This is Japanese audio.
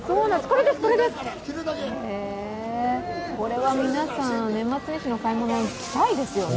これは皆さん、年末年始のお買い物、行きたいですよね。